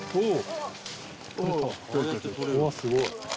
うわっすごい！